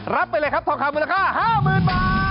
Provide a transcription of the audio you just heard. ไปเลยครับทองคำมูลค่า๕๐๐๐บาท